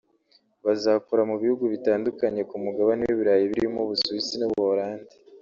bazakora mu bihugu bitandukanye ku Mugabane w’i Burayi birimo u Busuwisi n’u Buholandi